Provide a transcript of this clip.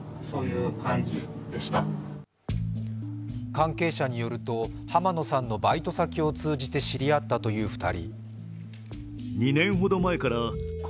関係者によると、濱野さんのバイト先を通じて知り合ったという２人。